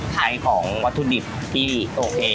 ใช้ของวัตถุดิบที่โอเค